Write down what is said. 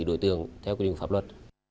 bị đối tượng theo quy định pháp luật